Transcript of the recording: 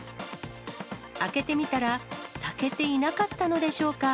開けてみたら、炊けていなかったのでしょうか。